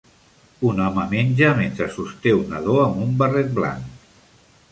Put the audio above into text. Un home menja mentre sosté un nadó amb un barret blanc.